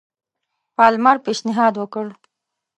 پالمر پېشنهاد وکړ.